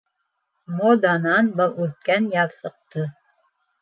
Моданан был үткән яҙ сыҡты